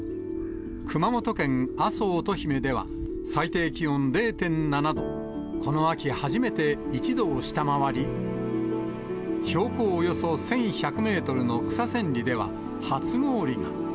熊本県阿蘇乙姫では最低気温０．７度、この秋初めて１度を下回り、標高およそ１１００メートルの草千里では、初氷が。